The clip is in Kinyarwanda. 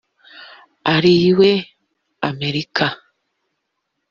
ari we Amerika